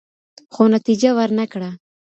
خو نتيجه ورنه کړه.